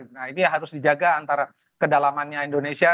nah ini harus dijaga antara kedalamannya indonesia